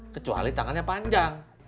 kecuali tangannya panjang